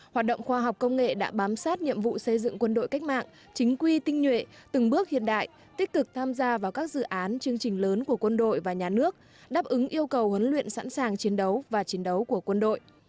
hoạt động khoa học công nghệ đã bám sát nhiệm vụ xây dựng quân đội cách mạng chính quy tinh nhuệ từng bước hiện đại tích cực tham gia vào các dự án chương trình lớn của quân đội và nhà nước đáp ứng yêu cầu huấn luyện sẵn sàng chiến đấu và chiến đấu của quân đội